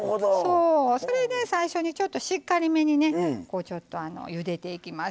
それで、最初に、しっかりめにゆでていきます。